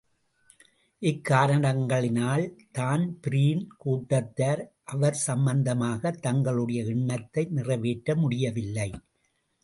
இக்காரணங்களினால் Dan Breen கூட்டத்தார் அவர் சம்பந்தமாகத் தங்களுடைய எண்ணத்தை நிறைவேற்ற முடியவில்லை.